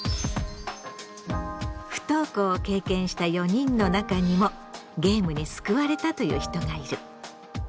不登校を経験した４人の中にもゲームに救われたという人がいる。